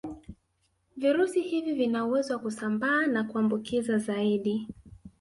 Virusi hivi vina uwezo wa kusambaa na kuambukiza zaidi